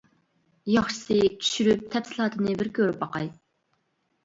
ياخشىسى چۈشۈرۈپ تەپسىلاتىنى بىر كۆرۈپ باقاي!